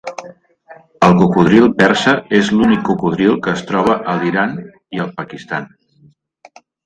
El cocodril persa és l'únic cocodril que es troba a l'Iran i al Pakistan.